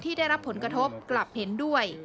ได้รับผลกระทบกลับเห็นด้วย